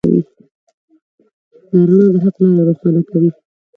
دا رڼا د حق لاره روښانه کوي.